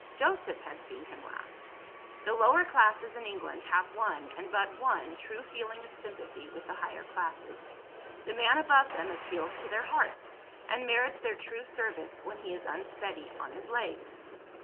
Joseph had seen him last. The lower classes in England have one, and but one, true feeling of sympathy with the higher classes. The man above them appeals to their hearts, and merits their true service, when he is unsteady on his legs.